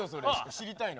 知りたいな。